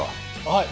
はい。